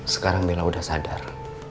sekarang bela sudah sadar